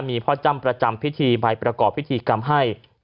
มีพ่อจ้ำประจำพิธีใบประกอบพิธีกรรมให้